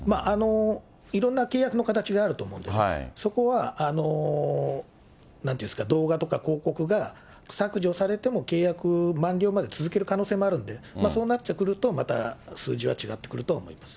いろんな契約の形があると思うんで、そこはなんていうんですか、動画とか広告が削除されても契約満了まで続ける可能性もあるんで、そうなってくると、また数字は違ってくるとは思います。